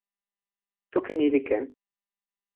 toki ni li ken.